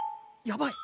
やばい！